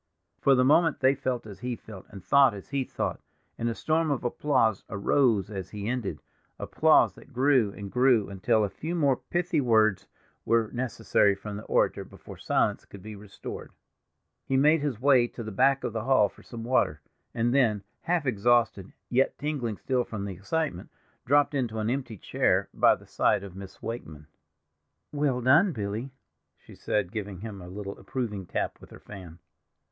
For the moment they felt as he felt, and thought as he thought, and a storm of applause arose as he ended—applause that grew and grew until a few more pithy words were necessary from the orator before silence could be restored. He made his way to the back of the hall for some water, and then, half exhausted, yet tingling still from the excitement, dropped into an empty chair by the side of Miss Wakeman. "Well done, Billy," she said, giving him a little approving tap with her fan.